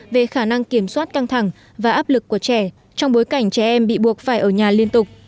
về khả năng kiểm soát căng thẳng và áp lực của trẻ trong bối cảnh trẻ em bị buộc phải ở nhà liên tục